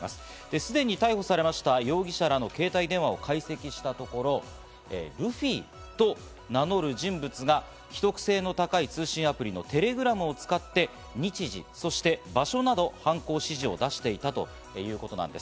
すでに逮捕されました容疑者らの携帯を解析したところ、ルフィと名乗る人物が秘匿性の高い通信アプリ・テレグラムを使って、日時や場所など犯行指示を出していたということなんです。